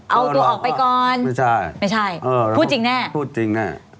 เอาตัวออกไปก่อนไม่ใช่ไม่ใช่เออพูดจริงแน่พูดจริงแน่